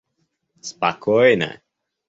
спокойно